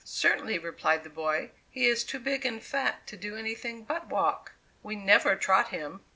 "Certainly," replied the boy; "he is too big and fat to do any thing but walk. We never trot him."